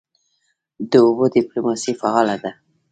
د اوبو ډیپلوماسي فعاله ده؟